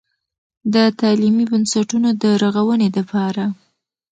د تعليمي بنسټونو د رغونې دپاره